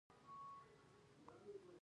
راتلونکی جوړولو ته اړتیا لري